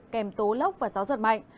kèm tố lốc và gió rất mạnh